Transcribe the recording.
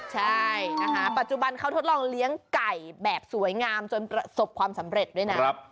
ใช่นะคะปัจจุบันเขาทดลองเลี้ยงไก่แบบสวยงามจนประสบความสำเร็จด้วยนะ